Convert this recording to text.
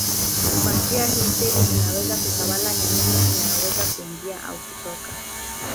Kwa njia hii seli inaweza kutawala ni nini inayoweza kuingia au kutoka.